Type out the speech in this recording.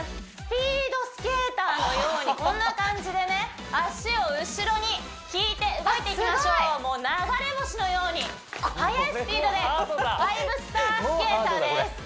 スピードスケーターのようにこんな感じでね脚を後ろに引いて動いていきましょうもう流れ星のように速いスピードで５ｓｔａｒスケーターです